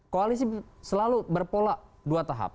koalisi selalu berpola dua tahap